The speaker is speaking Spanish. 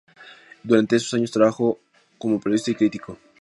Durante esos años trabajó como periodista y crítico.